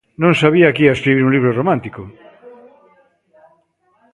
Non sabía que ía escribir un libro romántico.